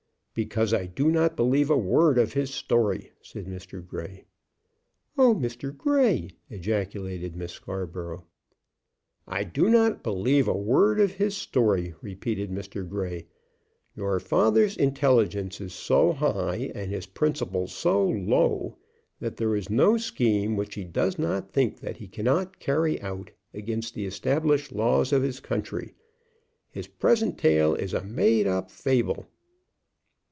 "Because I do not believe a word of his story," said Mr. Grey. "Oh, Mr Grey!" ejaculated Miss Scarborough. "I do not believe a word of his story," repeated Mr. Grey. "Your father's intelligence is so high, and his principles so low, that there is no scheme which he does not think that he cannot carry out against the established laws of his country. His present tale is a made up fable."